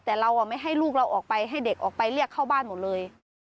แต่เราไม่ให้ลูกเราออกไปให้เด็กออกไปเรียกเข้าบ้านหมดเลย